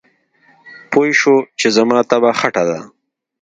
پوی شو چې زما طبعه خټه ده.